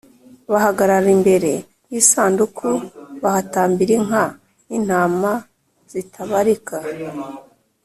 bahagarara imbere y’isanduku bahatambira inka n’intama zitabarika